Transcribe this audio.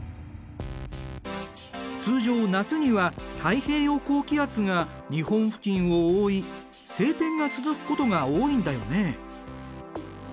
通常夏には太平洋高気圧が日本付近を覆い晴天が続くことが多いんだよね。